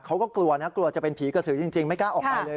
เขาก็กลัวนะกลัวจะเป็นผีกระสือจริงไม่กล้าออกไปเลย